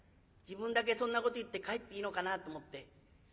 自分だけそんなこと言って帰っていいのかなと思って。